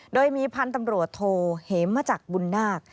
โดยมีพันธุ์ตำรวจโทเหมจักรบุญนาค